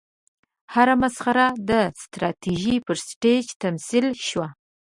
هره مسخره د تراژیدۍ پر سټېج تمثیل شوه.